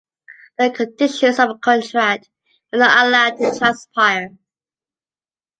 The conditions of the contract were not allowed to transpire.